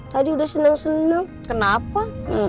tadi udah seneng seneng kenapa